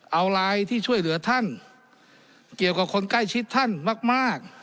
เอาไลน์ที่ช่วยเหลือท่านเกี่ยวกับคนใกล้ชิดท่านมาก